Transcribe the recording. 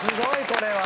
これは。